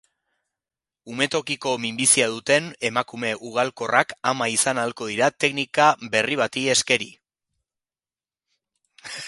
Umetokiko minbizia duten emakume ugalkorrak ama izan ahalko dira teknika berri bati eskeri.